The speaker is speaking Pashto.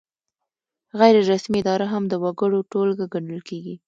غیر رسمي اداره هم د وګړو ټولګه ګڼل کیږي.